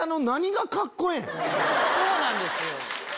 そうなんですよ。